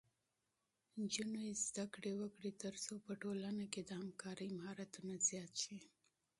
نجونې زده کړه وکړي ترڅو په ټولنه کې د همکارۍ مهارتونه زیات شي.